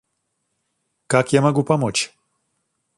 Как я могу помочь?